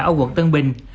ở quận tân bình